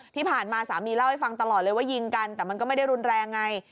ที่ผ่านมาสามีเล่าให้ฟังตลอดเลยว่ายิงกันแต่มันก็ไม่ได้รุนแรงไง